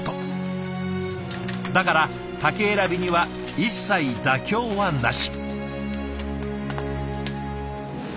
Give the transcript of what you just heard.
だから竹選びには一切妥協はなし。